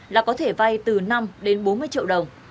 là có thể vay từ năm đến bốn mươi triệu đồng